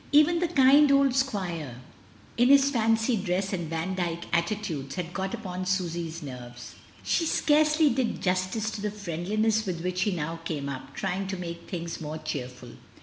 Even the kind old squire, in his fancy dress and Vandyke attitudes, had got upon Susy's nerves; she scarcely did justice to the friendliness with which now he came up, trying to make things more cheerful.